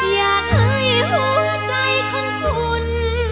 อยากให้หัวใจของคุณ